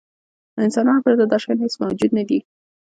له انسانانو پرته دا شیان هېڅ موجود نهدي.